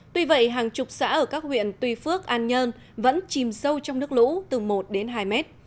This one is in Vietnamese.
tuy vậy hàng chục xã ở các huyện tuy phước an nhơn vẫn chìm sâu trong nước lũ từ một đến hai mét